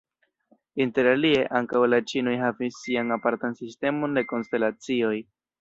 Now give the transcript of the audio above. Inter alie, ankaŭ la ĉinoj havis sian apartan sistemon de konstelacioj.